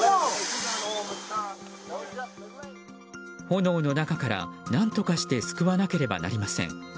炎の中から、何とかして救わなければなりません。